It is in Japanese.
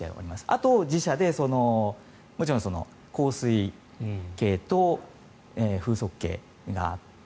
あと、自社でもちろん降水計と風速計があって。